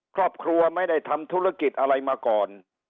ครอบครัวไม่ได้ทำธุรกิจอะไรมาก่อน